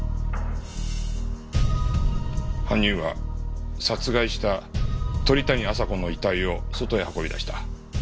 犯人は殺害した鳥谷亜沙子の遺体を外へ運び出した。